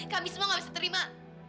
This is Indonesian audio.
kami semua gak bisa terima